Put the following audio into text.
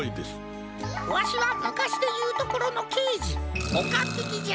わしはむかしでいうところのけいじおかっぴきじゃ！